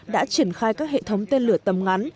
đã triển khai các hệ thống tên lửa tầm ngắn